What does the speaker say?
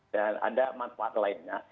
dan ada manfaat lainnya